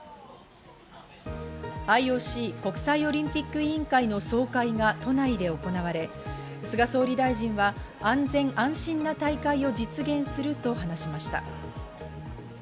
ＩＯＣ＝国際オリンピック委員会の総会が都内で行われ、菅総理大臣は安心・安全な大会を実現すると話しました。